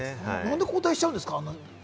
何で交代しちゃうんですか？